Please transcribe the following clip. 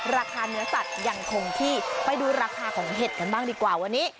ราคาเนื้อสัตว์ยังคงที่ไปดูราคาของเห็ดกันบ้างดีกว่าวันนี้